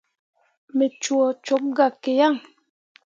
Me coo cok gah ke yan.